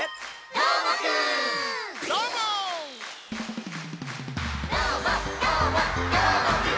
「どーもどーもどーもくん！」